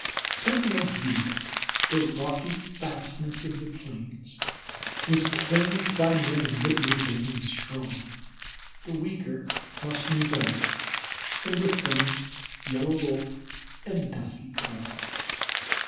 Sentinel Butte, the rocky fastness of the plains, was claimed by many that were big and strong; the weaker must move out, and with them Yellow Wolf and the Dusky Cub.